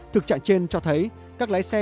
thực trạng trên cho thấy các lái xe